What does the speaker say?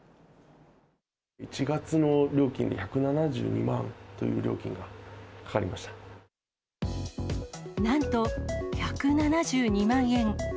１月の料金は１７２万というなんと、１７２万円。